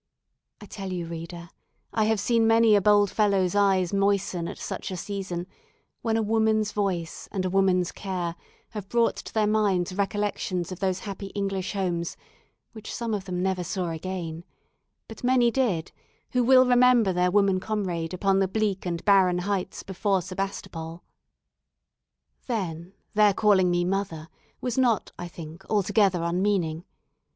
I tell you, reader, I have seen many a bold fellow's eyes moisten at such a season, when a woman's voice and a woman's care have brought to their minds recollections of those happy English homes which some of them never saw again; but many did, who will remember their woman comrade upon the bleak and barren heights before Sebastopol. Then their calling me "mother" was not, I think, altogether unmeaning.